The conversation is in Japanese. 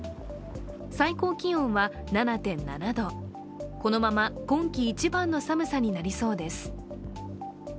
最高気温は７．７度、このまま今季一番の寒さになりそうです。